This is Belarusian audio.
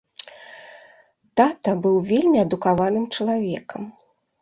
Тата быў вельмі адукаваным чалавекам.